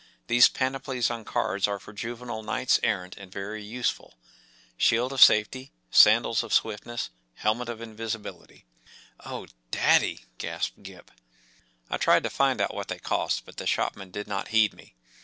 These panoplies on cards are for juvenile knights errant and very useful; shield of safety, sandals of swiftness, helmet of invisibility.” “ Oh, daddy ! ” gasped Gip. I tried to find out what they cost, but the shopman did not heed me.